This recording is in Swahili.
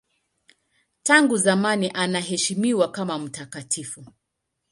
Tangu zamani anaheshimiwa kama mtakatifu.